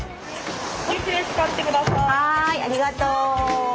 はいありがとう！